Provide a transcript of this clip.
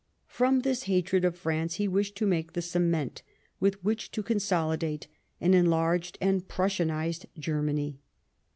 From this hatred of France he wished to make the cement with which to consolidate an enlarged and Prussianized Germany.